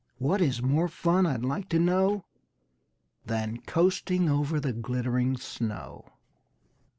What is more fun I'd like to know Than coasting over the glittering snow.